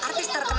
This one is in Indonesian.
kamu butuh abang